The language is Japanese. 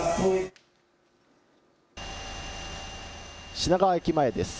品川駅前です。